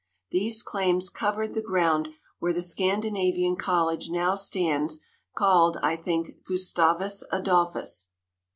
These claims covered the ground where the Scandinavian college now stands, called, I think, "Gustavus Adolphus."